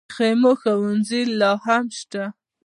د خیمو ښوونځي لا هم شته؟